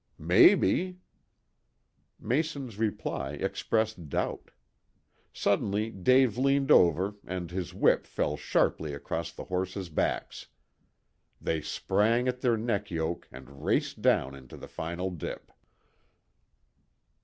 "Maybe." Mason's reply expressed doubt. Suddenly Dave leant over and his whip fell sharply across the horses' backs. They sprang at their neck yoke and raced down into the final dip.